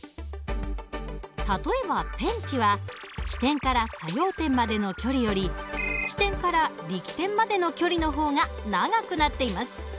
例えばペンチは支点から作用点までの距離より支点から力点までの距離の方が長くなっています。